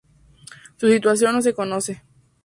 Su situación no se conoce.